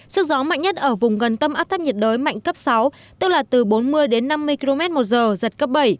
sức gió mạnh nhất ở vùng gần tâm áp thấp nhiệt đới mạnh cấp sáu tức là từ bốn mươi đến năm mươi km một giờ giật cấp bảy